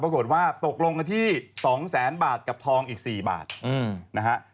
ปรากฏว่าตกลงกันที่๒แสนบาทกับทองอีก๔บาทนะฮะ